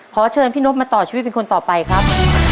ขอเชิญพี่นบมาต่อชีวิตเป็นคนต่อไปครับ